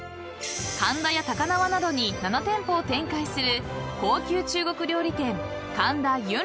［神田や高輪などに７店舗を展開する高級中国料理店神田雲林］